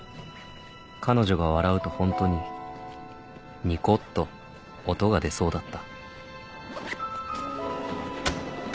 彼女が笑うとホントにニコッと音が出そうだった